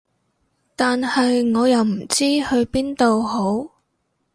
但係我又唔知去邊度好